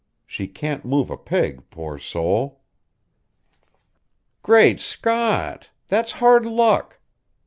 She can't move a peg, poor soul!" "Great Scott! That's hard luck!